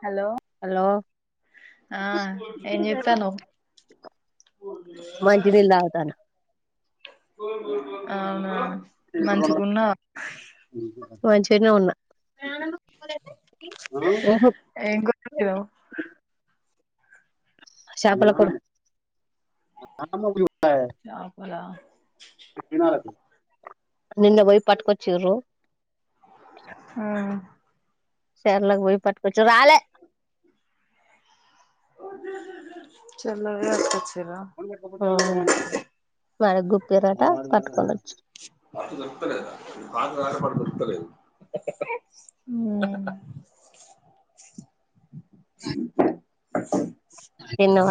hello hello ఆ ఏం చెత్తన్నావ్ మంచి నీళ్ళు తాగుతాన్న అవునా మంచిగున్నావా మంచిగానే ఉన్నా ఓహ ఏం కూర వండినావ్ చాపల కూర చాపల ఆ నిన్న పోయి పట్టుకొచ్చిరు ఆ చర్లకు పోయి పట్టుకుచ్చు రాలే చెర్లకు పోయి పట్టుకొచ్చిండా వాళ్లకు చిక్కిన వట పట్టుకొని వచ్చిండ్రు వాళ్లకు దొరుకుతలేవా వాళ్లకు ఉ కుచ్చి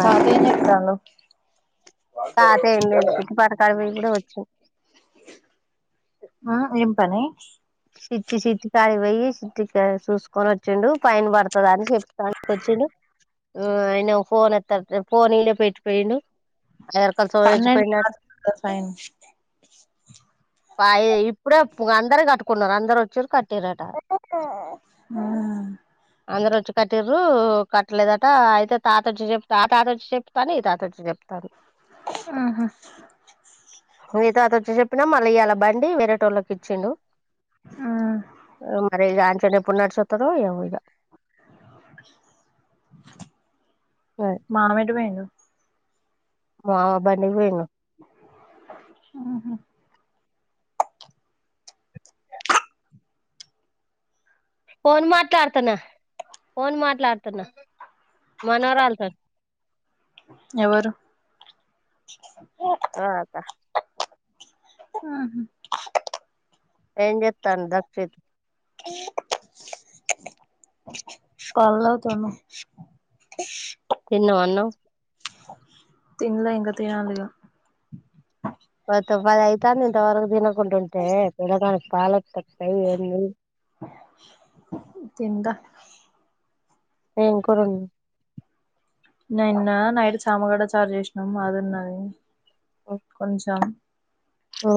సౌండ్ తాత ఏం చెత్తాడు తాత ఏం లేదు చిట్టి పాట కాడికి పోయి కూడా వచ్చిండు ఆ ఏం పని సిట్టి సిట్టి కాడికి పోయి సిట్టికి చూసుకొని వచ్చిండు పైన్ పడుతద అని చెప్కొచ్చిండు ఆ ఆయన ఫోన్ ఎత్తట్లే ఫోను ఇన్ని పెట్టి పోయిండు ఎవరి కొరకు పోయి వచ్చి పన్నెండు పోయిండు కదా ఫైన్ పైయి ఇప్పుడే అందర కట్టుకున్నారు అందరు వచ్చి కట్టుకున్నరు ఆ వచ్చ కట్టిర్రు కట్టలేదట యితే తాత వచ్చి చెప్ ఆ తాత చెప్తని తాతడి చెప్ మీ తాత వచ్చి చెప్పిండు మా ఇయాల బండి వేరేటోళ్ళకి ఇచ్చిండు మరి వచ్చేటప్పుడు నడిసి వత్తరో ఏమో మామ మేటు పోయిండు మావా పనికి పోయిండు ఆహా ఫోన్ మాట్లాడుతున్నా ఫోన్ మాట్లాడుతున్నా మనవరాళ్లతోని ఎవరు ఆ అక్క ఆ ఏం చెత్తంది దక్షిత్ పాలు తాగుతండు తిన్నావా అన్నం తినలే ఇంక తినాలి ఇగ ప పదియితంది ఇంత వరకు దినకుంట ఉంటే పిల్ల గనికి పాలు ఎట్ల వస్తాయి ఏంది తింటా ఏం కూర వండినవ్ నేన్న నైట్ చామగడ్డ చారు చేసినాం అదిన్నది కొంచెం ఓ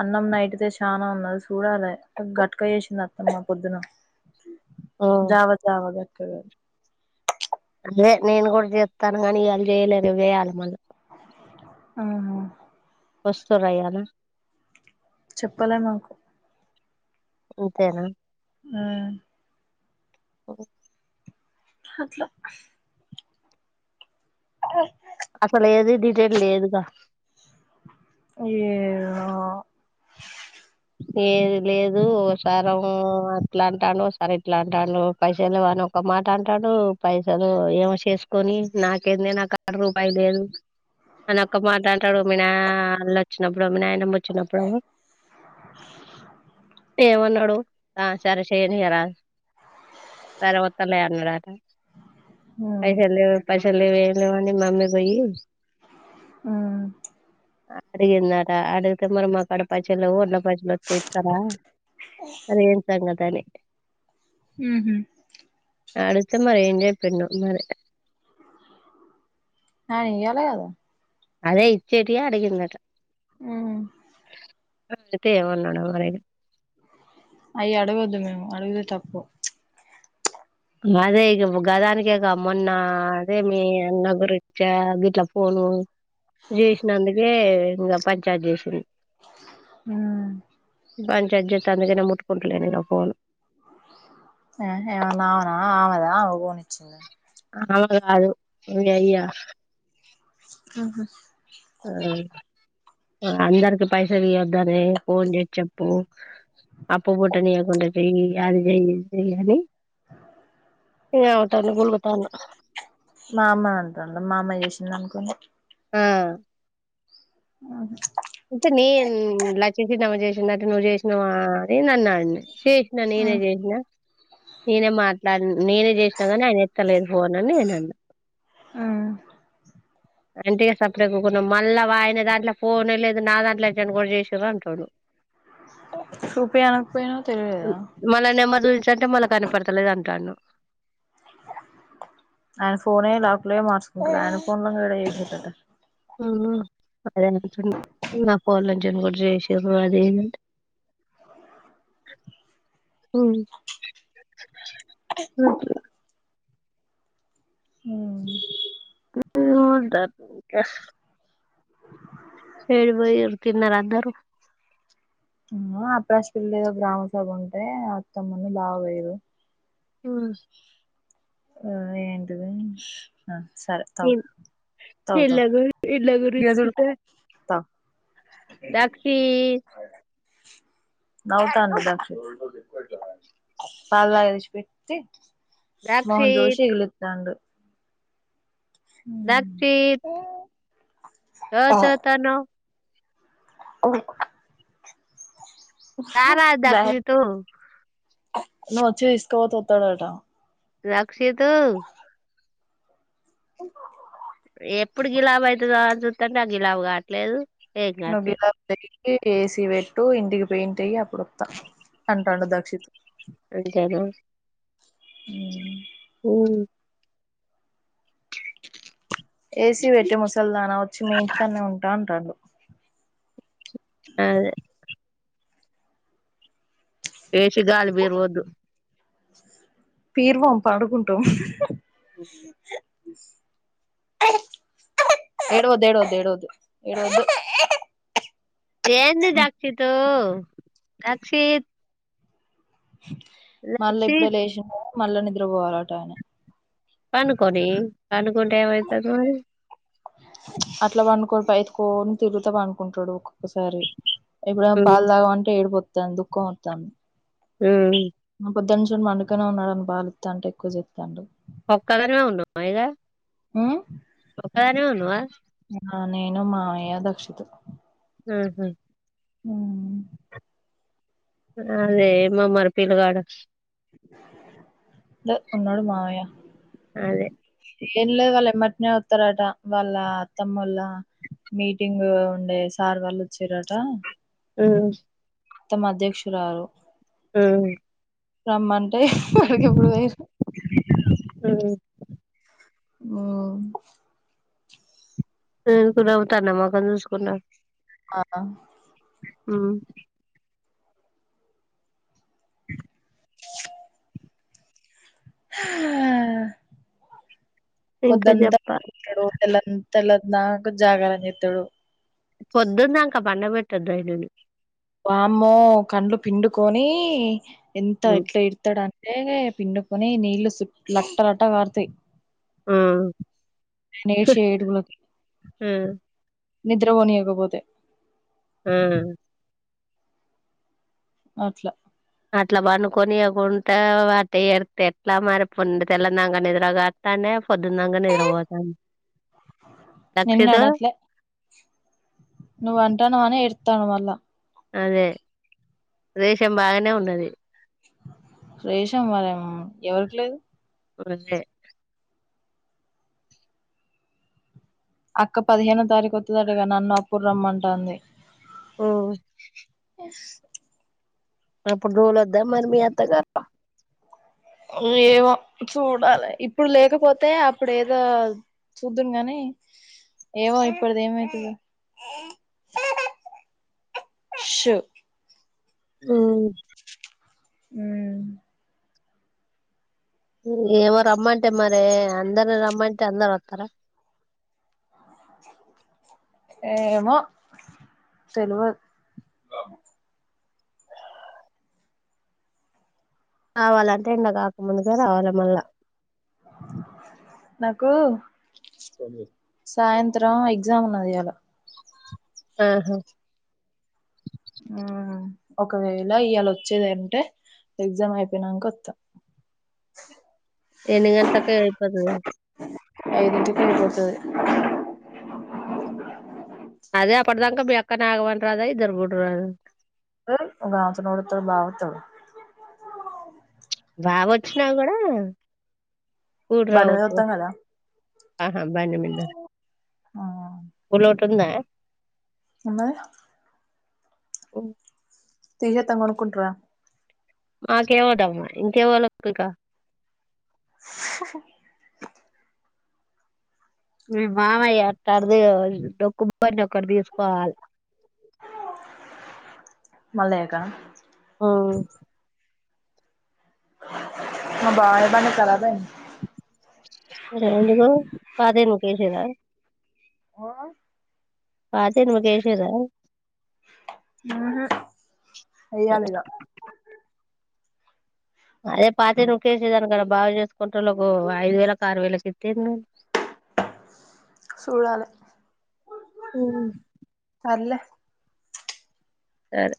అన్నం నైట్తే చానా ఉన్నది చూడాలి గట్క వేసింది అత్తమ్మ పొద్దున జవా జవా గక్కనే అదే నేను కూడా చెతను కాగానీ ఇవాళ చేయలేదు వేయాలి మళ్ళ ఆహ వస్తుర ఇయ్యాల చెప్పలే నాకు అంతేనా ఆ ఓ అట్లా అ అసలు ఏది డీటెయిల్ లేదుగా ఏమో ఏది లేదు ఓసారెమో అట్లాంటన్నావ్ ఒకసారి ఇట్లాంటన్నావ్ పైసలు వాని ఒక మాట అంటాడు పైసలు ఏమో చేసుకొని నాకేంది నాకడా రూపాయి లేదు అని ఒక్క మాట అంటాడు మీ నా ఆళ్ళు వచ్చినప్ఫు మీ నయనమ్మ వచ్చినప్పుడు [inaudible] ఏమన్నాడు ఆ సరే చేయనియారాదు సరే వత్తలే అన్నాడు ఉమ్ పైసా లేవు పైసా లేవు ఏం లేవానే మమ్మీ పోయి ఆ అడిగిన్నారా అడిగితే మరి మాకాడ పైసల్ లేవు పైసలు అస్తే ఇత్తర మరి ఏం సంగతని ఆహా అడిగితే మరి ఏం చెప్పిండో మరి ఆయన ఇయ్యాలె కదా అదే ఇచ్చేటియే అడిగిండట ఆ అడుగుతే ఏమన్నాడో ఎవరైనా అయి అడగద్దు మేము అడుగుతే తప్పు అదే ఇగ గదానికేక మొన్న అదే మీ అన్న గురిచ్చ గిట్లా ఫోన్ చేసినందుకే ఇంకా పంచాయతీ చేసింది హ పంచాయతీ చెత్తంది ఇగ నేను ముట్టుకుంటలేను ఇగ ఫోన్ ఏమన్నా ఆమెనా ఆమెదా ఆమె కొనిచింద ఆమెది కాదు ఇ అయ్యా ఆహ ఆ అందరికి పైస ఇయొద్దని ఫోన్ చేసి చెప్పు అప్పు పుట్టనీయకుండా చెయ్ ఆది చేయ్ ఇది చేయని అవుతాను గుల్లతాన మా అమ్మ నంటాడ మా అమ్మ చేసింది అనుకోని ఆ ఆహ అంటే నేను లక్ష్మీ చినమ చేసిందట నువ్వు చేసినవా అని నన్నని చేసిన నేనే ఉమ్ చేసిన నేనే మాట్లాడి నేనే చేసినా కాని ఆయన ఎత్తలేదు ఫోన్ అని నేను అన్నా ఆ అంటె ఇగ సప్డేక ఉకున్నాం మళ్ళా వాయన దాంట్లో ఫోనే లేదు నాదాంట్లోచ్చని కూడా చేసేరా అంటుండు [inaudible] చూపి అనకపోయినవు తెలివి లేదా మళ్ళా నెంబర్ చూయించంటే మళ్ళా కనపడతలేదు అంటాండు అయన ఫోనే లాక్లే మార్సుకుంటాడు అయన ఫోన్ ల కేడా చేసిండట అదే అనిపించింది నా ఫోన్నేచేళ్లి కూడా చేశిరు అది ఇది అంటే ఉ ఇది కొంటా ఏడి బోయిరు తిన్నారా అందరు ఆ అప్రాష్పిల్లి ఏదో గ్రామ సభ ఉంటే అత్తమ్మను బావ వెయ్యిరు ఆ ఆ ఏంటిది ఆ ఏం ఎలాగు ఎల్ ఇగ గురించి చూడు పిల్తే తాగు దక్షి నవుతండు దక్షి పాల్ తాగేది ఇడిషి పెట్టి మొహం జోషి దక్షిత్ ఇగిలి తాండు దక్షిత్ ఏం చెత్తానవ్ ఓ రారా బ దక్షితు నువచ్చి తిసుకపోతే ఉత్తడటా రక్షిత్తు అ ఎప్పుడికి లేవాయితుదో ఆ చూతంటే ఆది లావ్ కావట్లేదు ఏం నువ్ కావట్లేదు బిలతేరి ఏసి పెట్టు ఇంటికి పెయింట్ అయ్యి ఎప్పుడోత అంటాండు దక్షిత్ అంతేనా హ్మ్ ఏసీ పెట్టె ముసలిదానా వచ్చి మీ ఇంటికనే ఉంటా అంటాండు అదే ఎసిదే ఆ బీరువదు పీర్వాం పాడుకుంటూం ఏడవదు ఏడవదు ఏడవద్దు ఏడవద్దు ఏంది దక్షిత్తు దక్షత్ మళ్ళా ఇప్పుడే దక్షిత్ లేచిన మళ్ళా నిద్రపోవాలట ఆయన పనుకొని పనుకుంటే ఏం ఐతది మరి అట్లా పనుకోడు బైతుకోని తిరుగుతా బనుకుంటాడు ఒక ఒకసారి ఇప్పుడేమె ఉమ్ పాలు తాగమంటే ఏడిపోతుంది దుఃఖం ఒతంది ఆ పొద్దున్న నుంచి పండుకునే ఉన్నాడు అని పాలితంటే ఎక్కువ చెప్తాండు మైరా హ్మ్ బానే ఉన్నావా ఆ నేను మావయ్య దక్షితు ఆహా ఆ ఆ లేదు మమర్ పిల్లగాడు లె ఉన్నాడు మావయ్య అదే ఏం లేదు వాళ్ ఏమాటనే వతారట వాళ్ళ అత్తమ్ముళ్ళ మీటింగ్ ఉండే సార్ వాళ్ళు వచ్చిరాట ఆ అత్తమ్మ అధ్యక్షురాలు ఆ రమ్మంటే వాడికి ఎప్పుడుపోయిరు ఉమ్ ఉ నేనుకూడా ఒతరినామొహం చూసుకున్నా ఆ ఆ ఇంకా పొద్దంతా చెప్ప ఉంటాడు పెళ తెల్లరీనాక జాగారం చేత్తాడు పొద్దున్న అంక పండబెట్టద్దు ఆయన్నని వామ్మో కళ్ళు పిండుకొని ఎంత మ్ ఎట్లా ఏడుతాడని ఎ పిండుకొని నీళ్లు చుట్ లట్ట లట్ట కరాతాయి్ మ్ నేేషి ఏడుగులోకి మ్ నిద్రపోనియక పోతే ఆ అట్లా అట్లా బండుకొనియకుంటే వాటి ఎడ్తే ఎట్లా మరి పోండు తెల్లందంక నిద్రగాతానే పొద్దుందంకా నిద్రపోతంది నిన్ను లక్షితో అనట్లే నువ్వు అంటనవ్ అనే ఏద్తన్న మల్ల అదే రేశం బాగానే ఉన్నది రేషం మారేమ ఎవరికి లేదు వలే అక్క పదిహేనో తారీఖు వస్తుదటగా నన్ను అప్పుడు రమ్మంటుంది ఆ ఎస్ అప్పుడు తొలోద్దా మరి మీ అత్తగారు ఏవో చూడాలి ఇప్పుడు లేకపోతే అప్పుడు ఏదో చూద్దును గానీ ఏవో ఇప్పుడది ఏమైతదో షు అ ఉమ్ ఏమో రమ్మంటే మరి అందరని రమ్మంటే అందరు వస్తారా ఏమో తెల్వదు కావాలంటే ఏండి కాకముందుకే రావాలి మళ్ళా [inaudible] నాకు సాయంత్రం ఎగ్జామ్ ఉన్నది ఇయ్యాల ఆహా ఆ ఒకవేళ ఇయాల వచ్చేది అంటే ఎగ్జామ్ అయిపోయినంకొస్తా ఎన్ని గంటలక అయిపోతది ఐదింటికి ఐపోతది అదే అప్పటిదాంక మీ అక్క నాగవన్ రాదా ఇద్దరు గుడ రాదు గ్రావతడుతో భావతోడు బాగా వచ్చిన కూడా కూడు బండి మీద రావచ్చు వత్తం కద ఆహా బండి మీద ఆ ఉలోటున్ద ఉన్నది ఓ తీసేస్తాం కొనుకుంట్రా మాకేం వద్దమ్మా ఇంకేవళకా [unintelligible] మీ మామయ్య అట్టాటిది డొక్కు బండి తీసుకొనిపోవాలి మల్లయ్య క మా బావ బండి కరాబయింది ఎందుకు పాత ఇనుపకేసిర్ర ఆ పాతను మకేషద ఆహా అయ్యాలిద అదే పాతి నుకేసేదాని కద బాగా చేసుకుంటే వాళ్ళ ఒక ఐదు వేలక్ ఆరు వేలకి ఇస్తేంది చూడాల మ్మ్ సరే